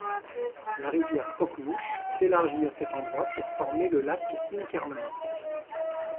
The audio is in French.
La rivière Pokemouche s'élargit à cet endroit pour former le lac Inkerman.